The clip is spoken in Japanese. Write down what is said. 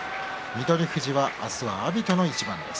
翠富士、明日は阿炎との一番です。